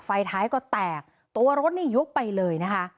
ไฟท้ายก็แตกตัวรถนี่ยุบไปเลยนะคะ